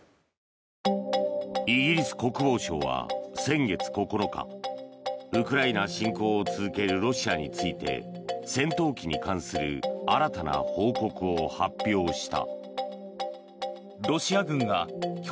イギリス国防省は先月９日ウクライナ侵攻を続けるロシアについて戦闘機に関する新たな報告を発表した。